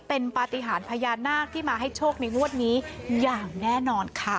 เป็นปฏิหารพญานาคที่มาให้โชคในงวดนี้อย่างแน่นอนค่ะ